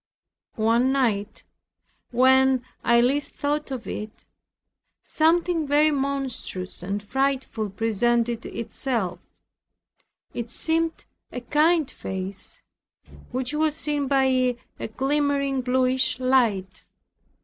One night, when I least thought of it, something very monstrous and frightful presented itself. It seemed a kind face, which was seen by a glimmering blueish light.